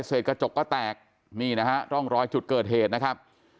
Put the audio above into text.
เสร็จกระจกก็แตกนี่นะฮะร่องรอยจุดเกิดเหตุนะครับ